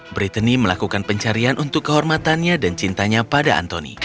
brittany melakukan pencarian untuk kehormatannya dan cintanya pada antoni